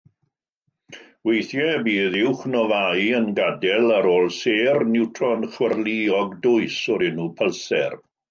Weithiau bydd uwchnofâu yn gadael ar ôl sêr niwtron chwyrlïog dwys o'r enw pylser.